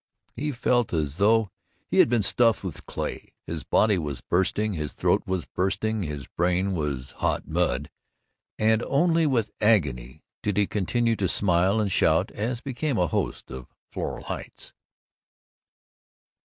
He felt as though he had been stuffed with clay; his body was bursting, his throat was bursting, his brain was hot mud; and only with agony did he continue to smile and shout as became a host on Floral Heights.